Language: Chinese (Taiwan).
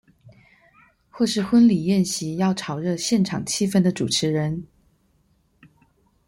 或是婚禮宴席要炒熱現場氣氛的主持人